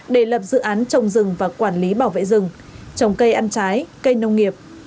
để lập dự án trồng dừng và quản lý bảo vệ dừng trồng cây ăn trái cây nông nghiệp